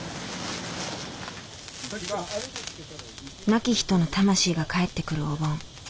亡き人の魂が帰ってくるお盆。